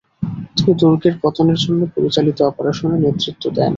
তিনি দুর্গের পতনের জন্য পরিচালিত অপারেশনে নেতৃত্ব দেন।